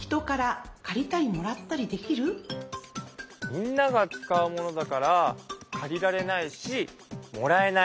みんなが使うものだから借りられないしもらえない。